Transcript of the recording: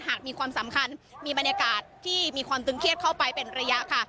หากมีความสำคัญมีบรรยากาศที่มีความตึงเครียดเข้าไปเป็นระยะค่ะ